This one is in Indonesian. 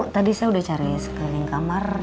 tadi saya udah cari sekalian kamar